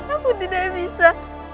aku tidak bisa